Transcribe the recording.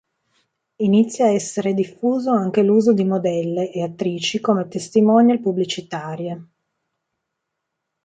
Inizia a essere diffuso anche l'uso di modelle e attrici come "testimonial" pubblicitarie.